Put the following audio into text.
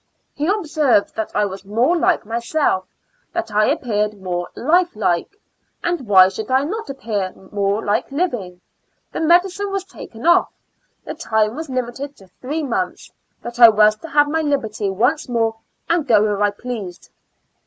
He observed that I was more like myself, that I appeared more life like. And why should I not appear more like living ? the medicine was taken off, the time was limi ted to three months, that I was to have my liberty once more and go where I pleased.